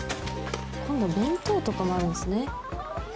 今度は弁当とかもあるんですね。